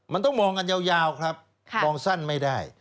มันต้องมองกันยาวครับมองสั้นไม่ได้